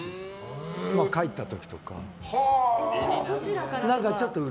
帰った時とか。